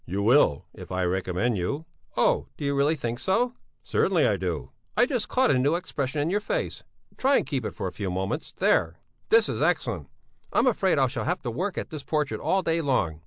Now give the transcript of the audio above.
"You will, if I recommend you." "Oh, do you really think so?" "Certainly I do!" "I just caught a new expression in your face. Try and keep it for a few moments. There! This is excellent! I'm afraid I shall have to work at this portrait all day long.